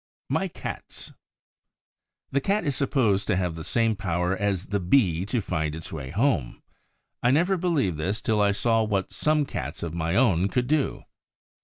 MY CATS The Cat is supposed to have the same power as the Bee to find its way home. I never believed this till I saw what some Cats of my own could do.